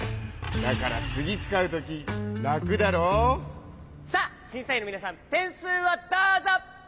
だからつぎつかうときラクだろ？さあしんさいんのみなさんてんすうをどうぞ！